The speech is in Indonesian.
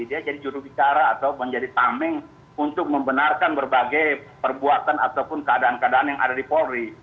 dia jadi jurubicara atau menjadi tameng untuk membenarkan berbagai perbuatan ataupun keadaan keadaan yang ada di polri